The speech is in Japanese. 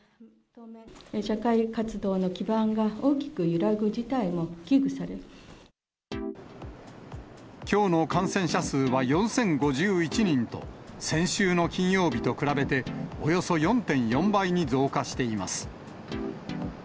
社会活動の基盤が大きく揺らきょうの感染者数は４０５１人と、先週の金曜日と比べて、およそ４．４倍に増加しています。